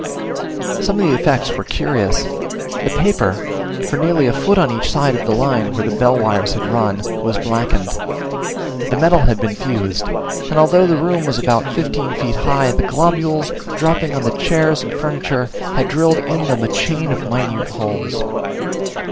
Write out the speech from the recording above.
Some of the effects were curious: the paper, for nearly a foot on each side of the line where the bell wires had run, was blackened. The metal had been fused, and although the room was about fifteen feet high, the globules, dropping on the chairs and furniture, had drilled in them a chain of minute holes.